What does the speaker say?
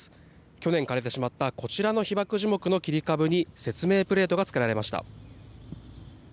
去年枯れてしまったこちらの被爆樹木の切り株に説明プレートが付けられました。